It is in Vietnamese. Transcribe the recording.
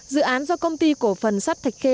dự án do công ty cổ phần sắt thạch khê